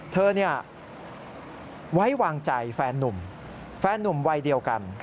เธอไว้วางใจแฟนนุ่มแฟนนุ่มวัยเดียวกัน